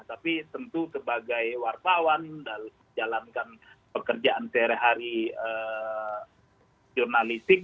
tapi tentu sebagai warpawan dan jalankan pekerjaan sehari hari jurnalistik